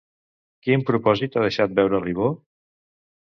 Quin propòsit ha deixat veure Ribó?